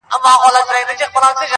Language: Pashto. ه یاره دا زه څه اورمه، څه وینمه.